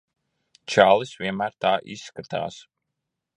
Čalis vienmēr tā izskatās.